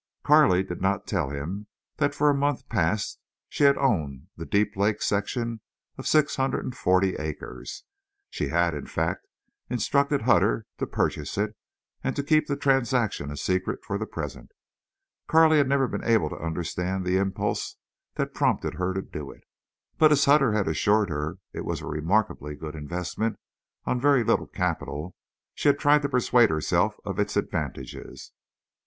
Carley did not tell him that for a month past she had owned the Deep Lake section of six hundred and forty acres. She had, in fact, instructed Hutter to purchase it, and to keep the transaction a secret for the present. Carley had never been able to understand the impulse that prompted her to do it. But as Hutter had assured her it was a remarkably good investment on very little capital, she had tried to persuade herself of its advantages.